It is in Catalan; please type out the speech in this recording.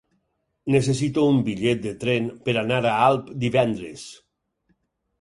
Necessito un bitllet de tren per anar a Alp divendres.